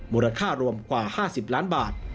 มูลค่ารวมกว่า๕๐ล้านบาท